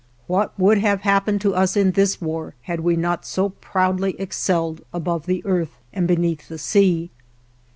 What would have happened to us in this war had we not so proudly excelled above the earth and beneath the sea?